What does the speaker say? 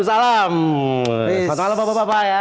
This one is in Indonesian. assalamualaikum warahmatullahi wabarakatuh ya